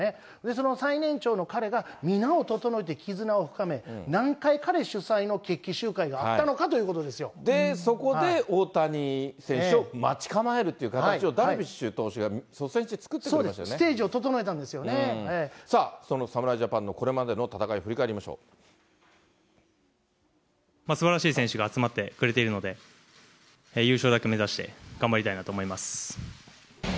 その最年長の彼が、皆を調えて絆を深め、何回、彼主催の決起集会があったのかというで、そこで大谷選手を待ち構えるという形をダルビッシュ投手が率先しそう、ステージを整えたんでさあ、その侍ジャパンのこれすばらしい選手が集まってくれているので、優勝だけ目指して頑張りたいなと思います。